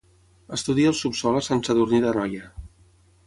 Estudia el subsòl a Sant Sadurní d'Anoia.